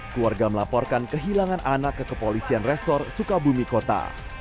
keluarga melaporkan kehilangan anak kekepolisian resor sukabumi kota